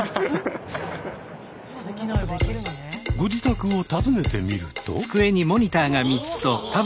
ご自宅を訪ねてみると。